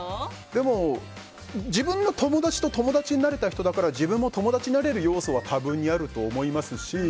でも、自分の友達と友達になれた人だから自分も友達になれる要素は多分にあると思いますし。